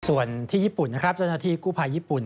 ส่วนที่ญี่ปุ่นนะครับเจ้าหน้าที่กู้ภัยญี่ปุ่น